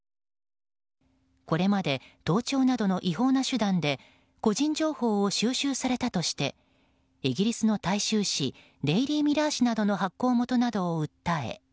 これまで盗聴などの違法な手段で個人情報を収集されたとしてイギリスの大衆紙デイリー・ミラー紙などの発行元などを訴え